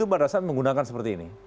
pada saat menggunakan seperti ini